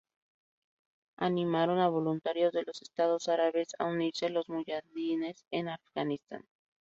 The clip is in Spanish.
Animaron a voluntarios de los estados árabes a unirse a los muyahidines en Afganistán.